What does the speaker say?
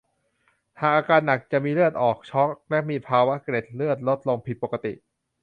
หากอาการหนักจะมีเลือดออก ช็อก และมีภาวะเกล็ดเลือดลดลงผิดปกติ